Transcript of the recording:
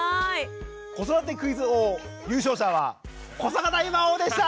子育てクイズ王優勝者は古坂大魔王でした！